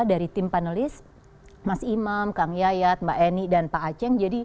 dari tim panelis mas imam kang yayat mbak eni dan pak aceh